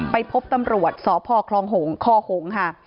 ไปพบตำรวจสพคลองหงคอหงค่ะ